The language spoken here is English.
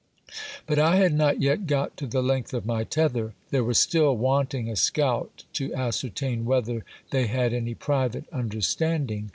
But I had not yet got to the length of my tether. There was still waftting a scout to ascertain whether they had any private understanding.